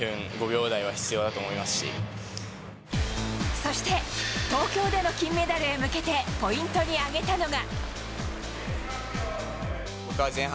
そして、東京での金メダルに向けてポイントに挙げたのは。